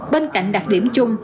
bên cạnh đặc điểm chung